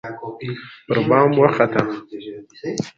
پربام وخته